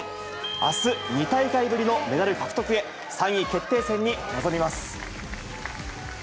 あす、２大会ぶりのメダル獲得へ、３位決定戦に臨みます。